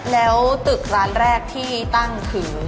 แล้วตึกร้านแรกที่ตั้งคือ